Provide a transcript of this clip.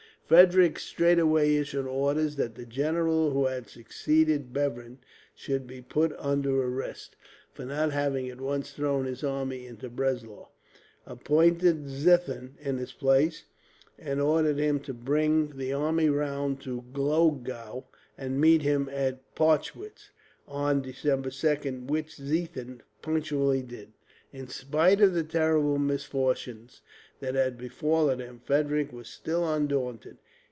Frederick straightway issued orders that the general who had succeeded Bevern should be put under arrest, for not having at once thrown his army into Breslau; appointed Ziethen in his place, and ordered him to bring the army round to Glogau and meet him at Parchwitz on December 2nd, which Ziethen punctually did. In spite of the terrible misfortunes that had befallen him, Frederick was still undaunted.